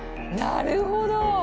なるほど！